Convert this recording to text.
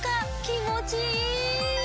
気持ちいい！